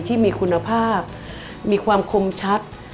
ที่มีคุณภาพมีความคมชัด